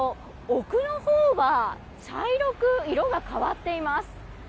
奥のほうは茶色く色が変わっています。